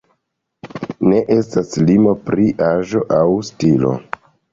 Ne estas limo pri aĝo aŭ stilo.